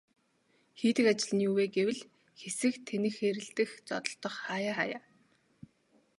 Хийдэг ажил нь юу вэ гэвэл хэсэх, тэнэх хэрэлдэх, зодолдох хааяа хааяа.